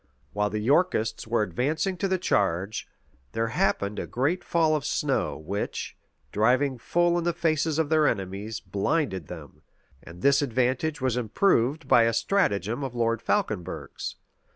While the Yorkists were advancing to the charge, there happened a great fall of snow, which, driving full in the faces of their enemies, blinded them; and this advantage was improved by a stratagem of Lord Falconberg's.